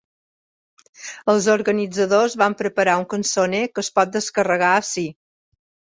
Els organitzadors van preparar un cançoner que es pot descarregar ací.